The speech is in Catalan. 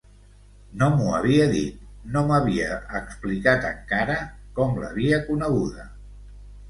No m'ho havia dit, no m'havia explicat encara com l'havia coneguda!